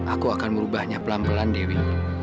aku akan merubahnya pelan pelan dewi